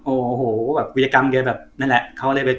โอ้โหโหวิริกรรมนึงแบบ